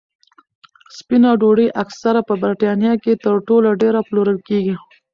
سپینه ډوډۍ اکثره په بریتانیا کې تر ټولو ډېره پلورل کېږي.